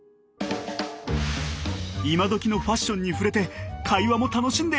イマドキのファッションに触れて会話も楽しんでみたい！